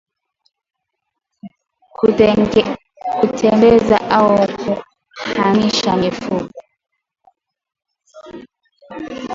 Kutembeza au kuhamisha mifugo